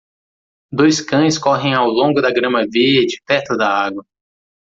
Dois cães correm ao longo da grama verde perto da água.